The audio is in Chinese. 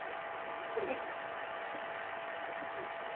境内有井冈山机场和著名古村落爵誉村。